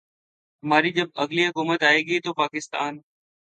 ہماری جب اگلی حکومت آئے گی تو پاکستان